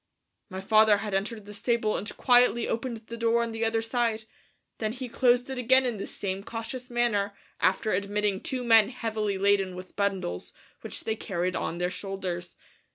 My father had entered the stable and quietly opened the door on the other side, then he closed it again in the same cautious manner after admitting two men heavily laden with bundles which they carried on their shoulders.